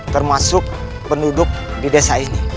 termasuk penduduk di desa ini